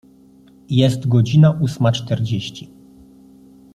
Jest godzina ósma czterdzieści.